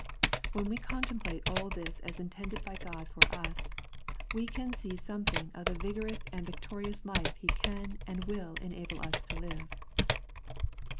When we contemplate all this as intended by God for us, we can see some 105 The Prayers of St. Paul thing of the vigorous and victorious life He can and will enable us to live.